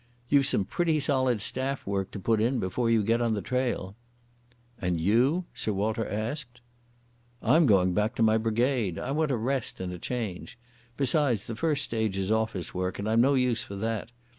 You've some pretty solid staff work to put in before you get on the trail." "And you?" Sir Walter asked. "I'm going back to my brigade. I want a rest and a change. Besides, the first stage is office work, and I'm no use for that.